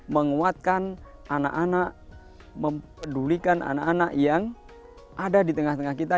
menguatkan anak anak mempedulikan anak anak yang ada di tengah tengah kita